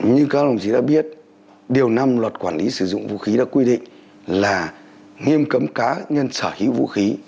như các đồng chí đã biết điều năm luật quản lý sử dụng vũ khí đã quy định là nghiêm cấm cá nhân sở hữu vũ khí